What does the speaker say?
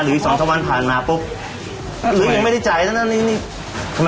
อืมพ่อขายขายได้ค่ะ